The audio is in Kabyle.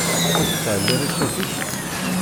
Ɣas ad tsaɛliḍ i ṣṣut-ik?